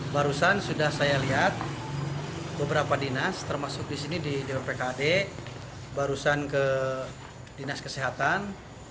barusan sudah saya lihat beberapa dinas termasuk di sini di dpkd barusan ke dinas kesehatan